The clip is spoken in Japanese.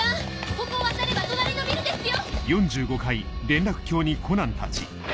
ここを渡れば隣のビルですよ！